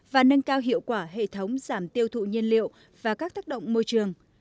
và nâng cao hiệu quả hệ thống giảm tiêu thụ nhiên liệu và các tác động môi trường